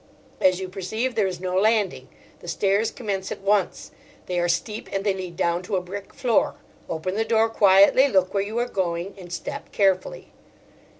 As you perceive, there is no landing. The stairs commence at once; they are steep, and they lead down to a brick floor. Open the door quietly, look where you are going, and step carefully."